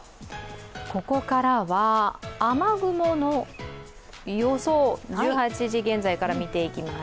ここからは雨雲の予想、１８時現在から見ていきます。